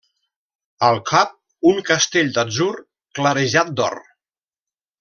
Al cap, un castell d'atzur clarejat d'or.